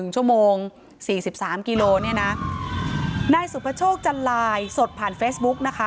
ชั่วโมง๔๓กิโลเนี่ยนะนายสุภโชคจันลายสดผ่านเฟซบุ๊กนะคะ